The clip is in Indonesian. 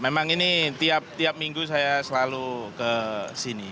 memang ini tiap tiap minggu saya selalu kesini